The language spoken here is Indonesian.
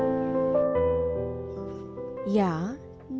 memasak menyiapkan jualan